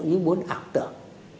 ý muốn ảo tưởng